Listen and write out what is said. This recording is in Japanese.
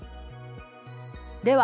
では